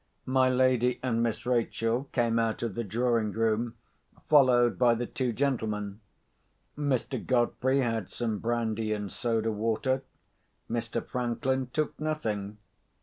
My lady and Miss Rachel came out of the drawing room, followed by the two gentlemen. Mr. Godfrey had some brandy and soda water, Mr. Franklin took nothing.